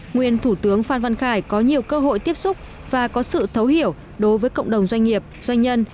nguyên thủ tướng phan văn khải có nhiều cơ hội tiếp xúc và có sự thấu hiểu đối với cộng đồng doanh nghiệp doanh nhân